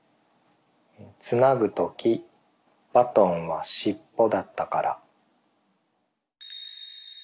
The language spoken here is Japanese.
「つなぐときバトンはしっぽだったから」。